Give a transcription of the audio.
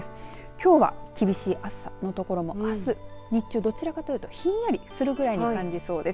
きょうは厳しい暑さの所もあす、日中どちらかというとひんやりするぐらいに感じそうです。